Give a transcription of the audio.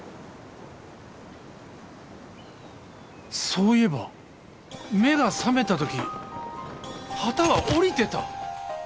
そういえば目が覚めたとき旗は下りてた。